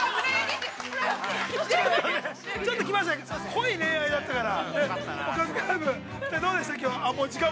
濃い恋愛だったから。